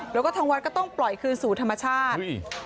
แล้วก็ทางวัดก็ต้องปล่อยคืนสู่ธรรมชาติ